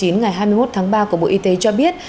ngày hai mươi một tháng ba của bộ y tế cho biết